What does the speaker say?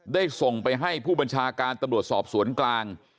ส่งไปให้ผู้บัญชาการตำรวจสอบสวนกลาง